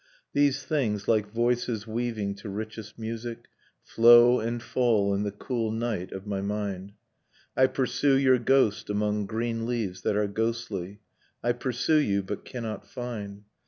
.. These things, like voices weaving to richest music, Flow and fall in the cool night of my mind, I pursue your ghost among green leaves that are ghostly, I pursue you, but cannot find.